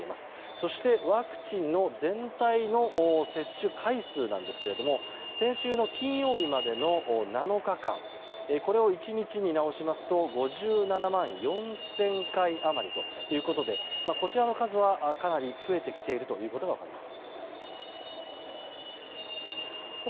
そしてワクチンの全体の接種回数なんですけれども先週の金曜日までの７日間これを１日に直しますと５７万４０００回余りということでこちらの数はかなり増えてきていることが分かります。